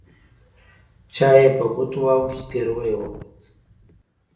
چای يې په ګوتو واوښت زګيروی يې وخوت.